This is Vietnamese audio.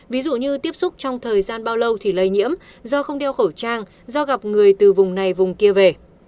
ví dụ như tiếp xúc trong thời gian bao lâu thì lây nhiễm do không đeo khẩu trang do gặp người từ vùng này vùng kia về